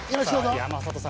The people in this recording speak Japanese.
山里さん